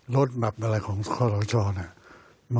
รถมับของข้าวสเช้า